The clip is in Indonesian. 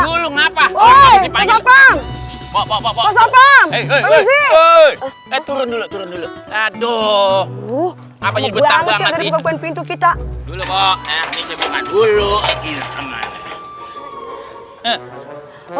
dulu ngapa ngapa pasapam pasapam turun dulu aduh apa gitu kita dulu dulu dulu